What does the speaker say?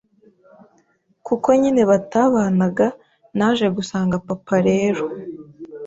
kuko nyine batabanaga naje gusanga papa rero